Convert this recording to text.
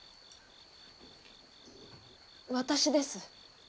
私です。